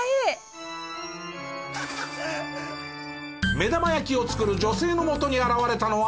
目玉焼きを作る女性の元に現れたのは。